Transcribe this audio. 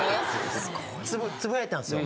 つぶやいたんですよ。